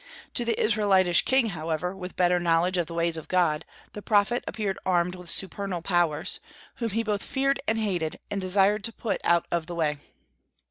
To the Israelitish king, however, with better knowledge of the ways of God, the prophet appeared armed with supernal powers, whom he both feared and hated, and desired to put out of the way.